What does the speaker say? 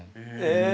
え